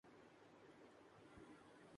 سندھ میں ڈیلیور کرنے میں کامیاب نظر نہیں آتی